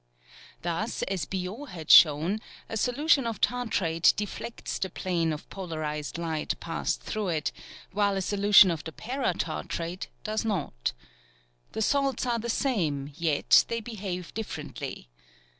Thus, as Biot had shown, a solution of tartrate deflects the plane of polarized light passed through it, while a solution of the paratartrate does not. The salts are the same, yet they behave differently.